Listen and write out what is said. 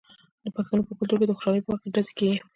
د پښتنو په کلتور کې د خوشحالۍ په وخت ډزې کیږي.